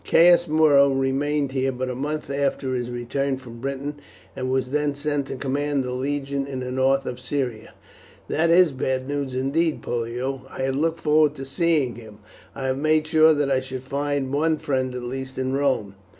Caius Muro remained here but a month after his return from Britain, and was then sent to command the legion in the north of Syria." "That is bad news indeed, Pollio. I had looked forward to seeing him. I had made sure that I should find one friend at least in Rome."